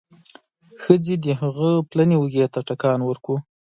ښځې د هغه پلنې اوږې ته ټکان ورکړ.